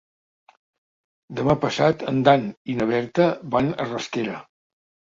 Demà passat en Dan i na Berta van a Rasquera.